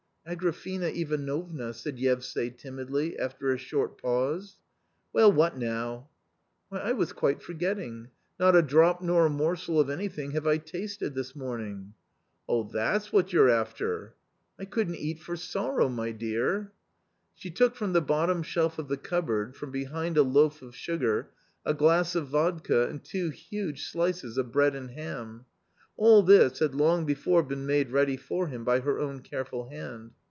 " Agrafena Ivanovna," said Yevsay timidly, after a short pause. " Well, what now ?"" Why, I was quite forgetting ; not a drop nor a morsel of anything have I tasted this morning." " Oh, that's what you're after." " I couldn't eat for sorrow, my dear." She took from the bottom shelf of the cupboard, from behind a loaf of sugar, a glass of vodka and two huge slices of bread and ham. All this had long before been made ready for him by her own careful hand.